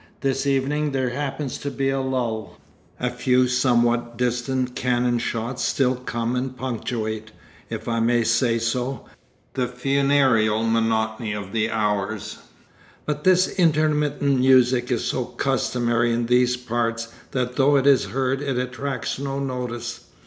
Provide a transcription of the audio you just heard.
This evening there happens to be a lull. A few somewhat distant cannon shots still come and punctuate, if I may say so, the funereal monotony of the hours; but this intermittent music is so customary in these parts that though it is heard it attracts no notice.